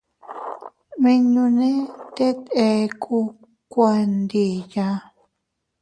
Nmiñune teet ekku kuandiya.